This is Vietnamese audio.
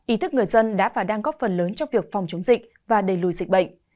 ý thức người dân đã và đang góp phần lớn trong việc phòng chống dịch và đầy lùi dịch bệnh